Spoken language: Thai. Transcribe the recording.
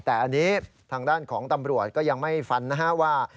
แต่อันนี้ทางด้านของตำรวจก็ยังไม่ฟันนะฮะว่า